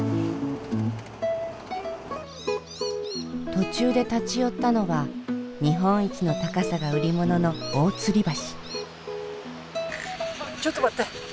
途中で立ち寄ったのは日本一の高さが売り物の大吊橋。